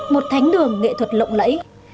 một thánh đường nghệ thuật lộng lẫy